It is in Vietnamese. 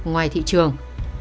ngoài thị trường